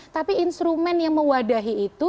tapi instrumen yang mewadahi itu